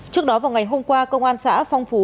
trước đó vào ngày hôm qua công an xã phong phú